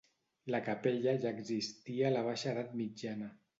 La capella ja existia a la baixa edat mitjana.